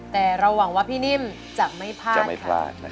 แต่เราหวังว่าพี่นิ่มจะไม่พลาด